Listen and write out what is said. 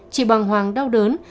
chị bằng hoàng đau đớn